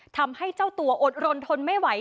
ทำให้เจ้าตัวอดรนทนไม่ไหว